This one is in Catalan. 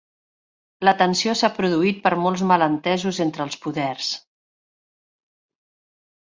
La tensió s'ha produït per molts malentesos entre els poders